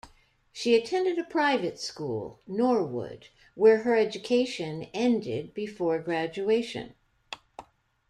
She attended a private school, Norwood, where her education ended before graduation.